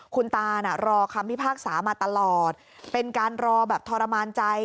คุณตาน่ะรอคำพิพากษามาตลอดเป็นการรอแบบทรมานใจ